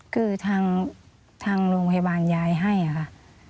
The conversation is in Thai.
คือทางโรงพยาบาลยายให้ค่ะ